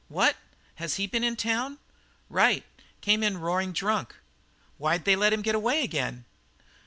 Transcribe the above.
"What? Has he been in town?" "Right. Came in roaring drunk." "Why'd they let him get away again?"